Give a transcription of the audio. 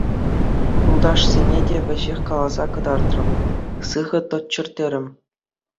Юлташсене те веҫех каласа кӑтартрӑм, сыхӑ тӑччӑр терӗм.